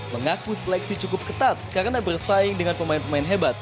mengaku seleksi cukup ketat karena bersaing dengan pemain pemain hebat